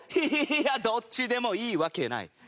いやどっちでもいいわけない！